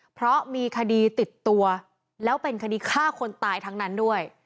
เพราะมีคดีติดตัวแล้วเป็นคดีฆ่าคนตายทั้งนั้นด้วย